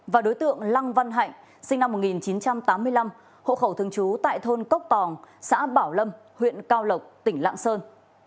và đối tượng lăng văn hạnh sinh năm một nghìn chín trăm tám mươi năm hộ khẩu thường trú tại thôn cốc tòng xã bảo lâm huyện cao lộc tỉnh lạng sơn